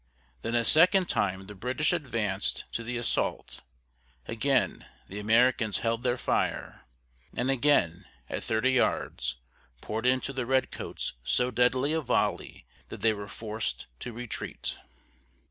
Then a second time the British advanced to the assault; again the Americans held their fire, and again, at thirty yards, poured into the Redcoats so deadly a volley that they were forced to retreat.